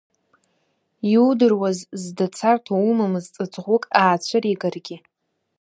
Иудыруаз зда царҭа умамыз ҵаҵӷәык аацәыригаргьы.